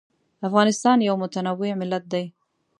افغانستان یو متنوع ملت دی.